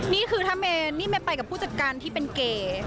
นี่คือถ้าเมนี่ไม่ไปกับผู้จัดการที่เป็นเก๋